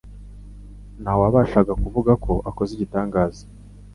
Nta wabashaga kuvuga ko akoze igitangaza;